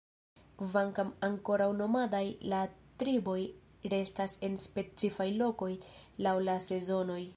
Kvankam ankoraŭ nomadaj, la triboj restas en specifaj lokoj laŭ la sezonoj.